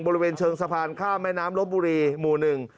บริเวณเชิงสะพานข้ามแม่น้ำลบบุรีหมู่หนึ่ง